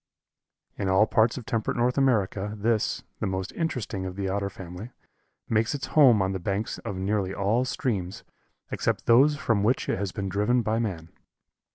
In all parts of temperate North America this, the most interesting of the Otter family, makes its home on the banks of nearly all streams except those from which it has been driven by man.